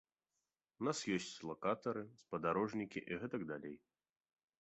У нас ёсць лакатары, спадарожнікі і гэтак далей.